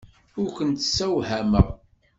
Ur kent-ssewhameɣ.